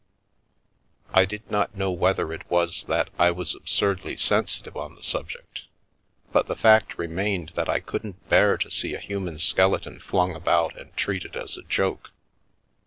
I didn't know whether it was that I was absurdly sensitive on the sub ject, but the fact remained that I couldn't bear to see a human skeleton flung about and treated as a joke.